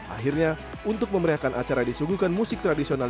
akhirnya untuk memeriahkan acara disuguhkan musik tradisional